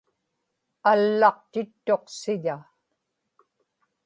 allaqtittuq siḷa